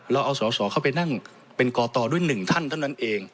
เราเอาสอสอเข้าไปนั่งเป็นกตด้วย๑ท่านเท่านั้นเอง